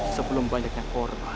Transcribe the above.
sebelum banyak yang korban